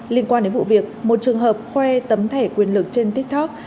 liên quan đến vụ việc một trường hợp khoe tấm thẻ quyền lực trên tiktok